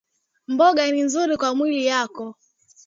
Mboga ni nzuri kwa mwili yako